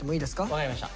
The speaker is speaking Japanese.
分かりました。